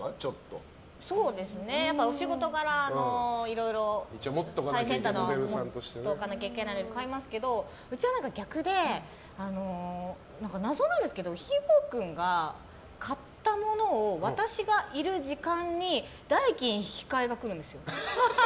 お仕事柄、いろいろ最先端のものは持っとかなきゃいけないので買いますけどうちは逆で謎なんですけどひー坊君が買ったものを私がいる時間に代金引換が来るんですよ。